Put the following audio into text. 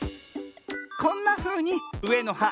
こんなふうにうえの「は」